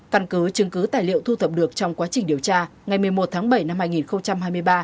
căn cứ chứng cứ tài liệu thu thập được trong quá trình điều tra ngày một mươi một tháng bảy năm hai nghìn hai mươi ba